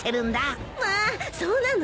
まあそうなの？